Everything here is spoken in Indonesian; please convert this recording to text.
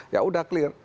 ya sudah clear